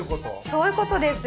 そういうことです。